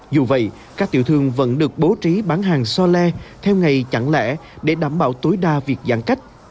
dù vậy các tiểu thương vẫn được bố trí bán hàng so le theo ngày chẳng lẽ để đảm bảo tối đa việc giãn cách